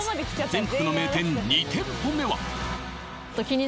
全国の名店２店舗目